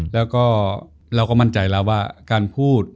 แล้วก็เราก็มั่นใจแล้วว่าการพูด